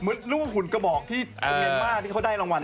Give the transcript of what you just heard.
นึกว่าขุนกระบอกที่เย็นมากที่เค้าได้รางวัลนะ